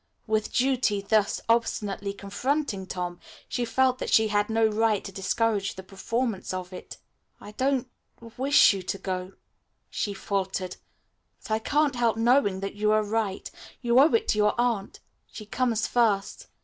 With duty thus obstinately confronting Tom, she felt that she had no right to discourage the performance of it. "I don't wish you to go," she faltered, "but I can't help knowing that you are right. You owe it to your aunt. She comes first.